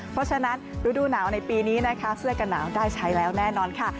เพราะฉะนั้นฤดูหนาวในปีนี้นะคะเสื้อกันหนาวได้ใช้แล้วแน่นอนค่ะ